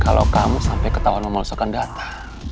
kalau kamu sampai ketahuan memalsukan data